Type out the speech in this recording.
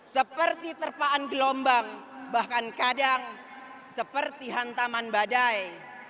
seperti terpaan gelombang bahkan kadang seperti hantaman badai